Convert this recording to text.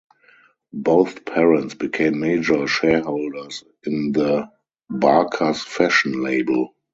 Both parents became major shareholders in the Barkers fashion label.